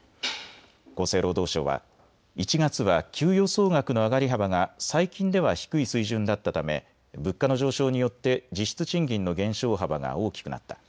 厚生労働省は１月は給与総額の上がり幅が最近では低い水準だったため物価の上昇によって実質賃金の減少幅が大きくなった。